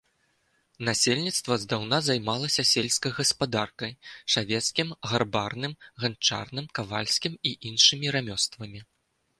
Насельніцтва здаўна займалася сельскай гаспадаркай, шавецкім, гарбарным, ганчарным, кавальскім і іншымі рамёствамі.